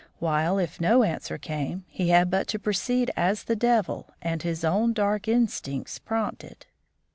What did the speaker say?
While, if no answer came, he had but to proceed as the devil and his own dark instincts prompted.